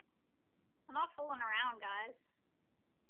I'm not fooling around guys.